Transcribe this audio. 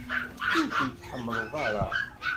Ur ten-tḥemmleḍ ara?